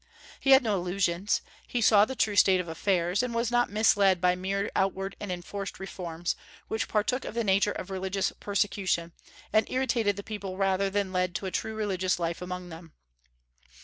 He had no illusions; he saw the true state of affairs, and was not misled by mere outward and enforced reforms, which partook of the nature of religious persecution, and irritated the people rather than led to a true religious life among them.